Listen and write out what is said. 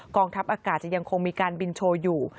ทัพอากาศจะยังคงมีการบินโชว์อยู่